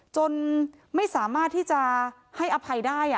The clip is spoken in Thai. จนไม่สามารถที่จะให้อภัยได้